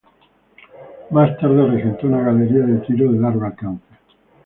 Más tarde regentó una galería de tiro de largo alcance.